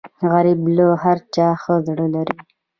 غریب له هر چا ښه زړه لري